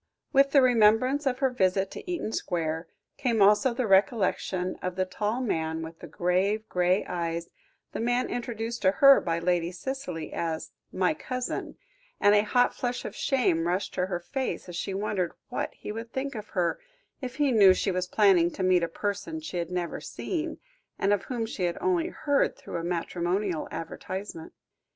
With the remembrance of her visit to Eaton Square, came also the recollection of the tall man with the grave grey eyes, the man introduced to her by Lady Cicely, as "my cousin," and a hot flush of shame rushed to her face, as she wondered what he would think of her, if he knew she was planning to meet a person she had never seen, and of whom she had only heard through a matrimonial advertisement.